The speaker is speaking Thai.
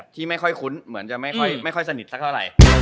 ที่ไม่ค่อยคุ้นเหมือนจะไม่ค่อยสนิทสักเท่าไหร่